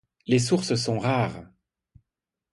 Les sources sont rares.